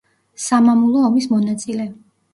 სამამულო ომის მონაწილე.